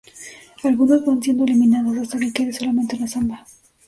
Algunos van siendo eliminados, hasta que quede solamente un samba.